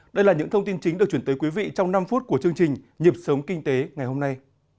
đây là những thông tin chính được chuyển tới quý vị trong năm phút của chương trình nhịp sống kinh tế ngày hôm nay